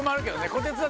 こてつが？